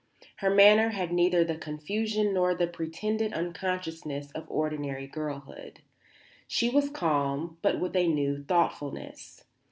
Her manner had neither the confusion nor the pretended unconsciousness of ordinary girlhood. She was calm, but with a new thoughtfulness.